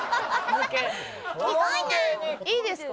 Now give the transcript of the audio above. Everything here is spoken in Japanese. いいですか？